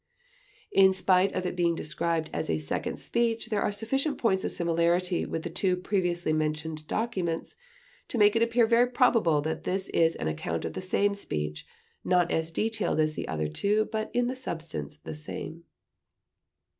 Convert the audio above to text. In spite of it being described as a second speech, there are sufficient points of similarity with the two previously mentioned documents to make it appear very probable that this is an account of the same speech, not as detailed as the other two, but in substance the same.